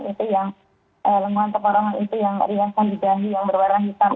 itu yang lengkungan tengkorongan itu yang riasan di ganti yang berwarna hitam